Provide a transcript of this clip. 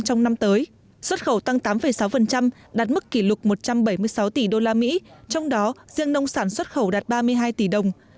trong năm tới xuất khẩu tăng tám sáu đạt mức kỷ lục một trăm bảy mươi sáu tỷ usd trong đó riêng nông sản xuất khẩu đạt ba mươi hai tỷ đồng